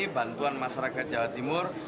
bantuan masyarakat jawa timur